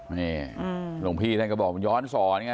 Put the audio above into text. นี่หลวงพี่ท่านก็บอกมันย้อนสอนไง